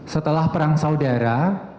setelah perang saudara